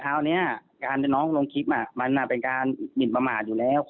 เพราะพี่ก็ต้องหาข้อเจ็บจริงอยู่แล้ว